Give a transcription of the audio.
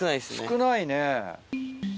少ないね。